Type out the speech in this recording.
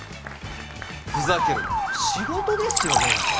ふざけるな仕事ですよね？